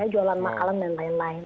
jualan makanan dan lain lain